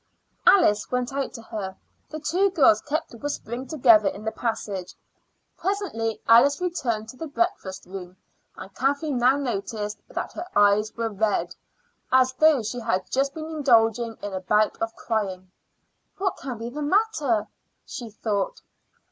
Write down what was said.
Alice went out to her. The two girls kept whispering together in the passage. Presently Alice returned to the breakfast room, and Kathleen now noticed that her eyes were red, as though she had just been indulging in a bout of crying. "What can be the matter?" she thought.